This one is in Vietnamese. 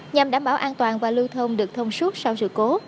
nhằm đảm bảo an toàn và lưu thông được thông suốt sau sự cố